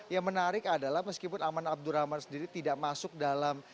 yang menarik adalah meskipun aman abdurrahman sendiri tidak masuk dalam